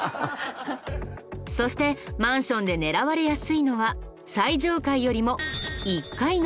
そしてマンションで狙われやすいのは最上階よりも１階の部屋。